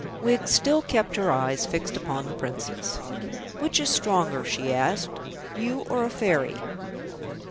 Wiggs still kept her eyes fixed upon the Princess. "Which is stronger," she asked, "you or a Fairy?"